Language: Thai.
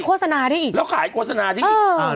จนได้ถ่ายโครสนาที่นี่